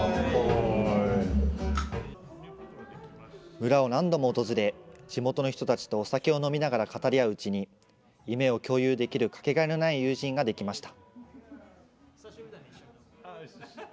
村を何度も訪れ、地元の人たちとお酒を飲みながら語り合ううちに、夢を共有できる掛けがえのない友人ができました。